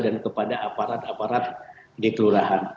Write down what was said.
dan kepada aparat aparat di kelurahan